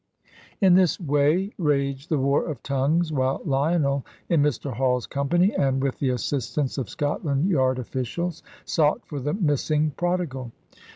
In this way raged the war of tongues, while Lionel, in Mr. Hall's company, and with the assistance of Scotland Yard officials, sought for the missing prodigal.